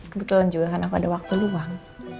kebetulan juga kan aku ada waktu luang